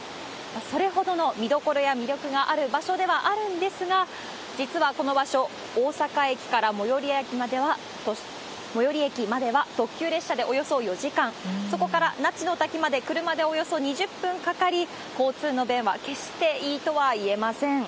それほどの見どころや魅力がある場所ではあるんですが、実はこの場所、大阪駅から最寄り駅までは、特急列車でおよそ４時間、そこから那智の滝まで車でおよそ２０分かかり、交通の便は決していいとはいえません。